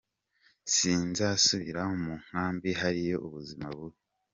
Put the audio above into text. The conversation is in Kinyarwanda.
Sinzasubira mu nkambi hariyo ubuzima bubi.